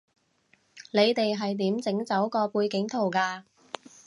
你哋係點整走個背景圖㗎